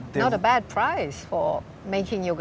bukan harga yang buruk